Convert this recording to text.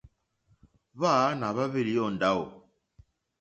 Hwáǎnà hwáhwélì ó ndáwò.